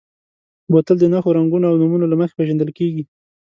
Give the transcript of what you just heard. بوتل د نښو، رنګونو او نومونو له مخې پېژندل کېږي.